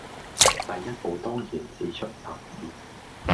第一步當然是出雜誌，